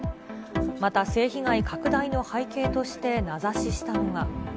また性被害拡大の背景として名指ししたのが。